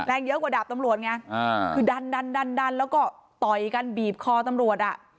เยอะกว่าดาบตำรวจไงอ่าคือดันดันดันดันแล้วก็ต่อยกันบีบคอตำรวจอ่ะ